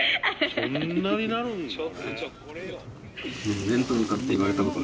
そんなになるんだね。